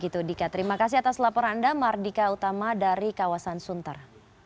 terima kasih atas laporan anda mardika utama dari kawasan sunter